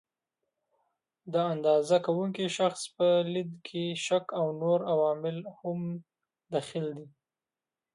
د اندازه کوونکي شخص په لید کې شک او نور عوامل هم دخیل دي.